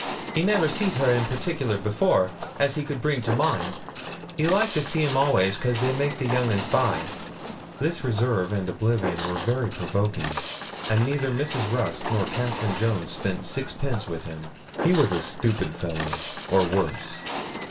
He never seed her in partiklar afore, as he could bring to mind. He liked to see 'em always, 'cause they makes the young uns buy.' This reserve and oblivion were very provoking, and neither Mrs. Rusk nor Catherine Jones spent sixpence with him; he was a stupid fellow, or worse.